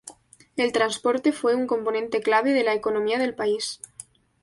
El transporte fue un componente clave de la economía del país.